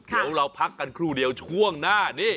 เดี๋ยวเราพักกันครู่เดียวช่วงหน้านี้